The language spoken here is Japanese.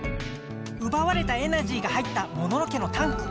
うばわれたエナジーが入ったモノノ家のタンク！